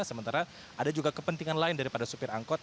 sementara ada juga kepentingan lain daripada supir angkot